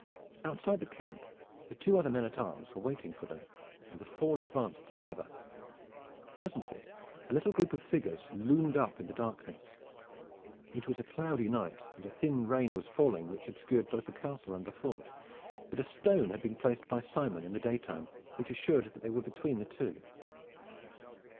Outside the camp the two other men at arms were waiting for them, and the four advanced together. Presently a little group of figures loomed up in the darkness. It was a cloudy night, and a thin rain was falling which obscured both the castle and the fort; but a stone had been placed by Simon in the daytime which assured that they were between the two.